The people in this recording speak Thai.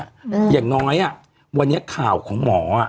อย่างน้อยอ่ะวันนี้ข่าวของหมออ่ะ